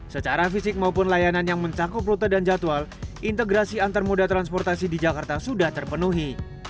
secara fisik maupun layanan yang mencakup rute dan jadwal integrasi antar moda transportasi di jakarta sudah terpenuhi